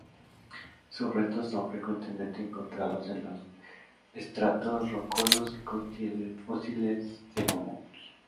Sus restos son frecuentemente encontrados en los estratos rocosos que contienen fósiles de mamuts.